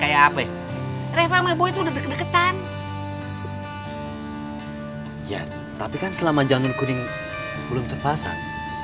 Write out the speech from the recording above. ya tapi kan selama jantung kuning belum terpasang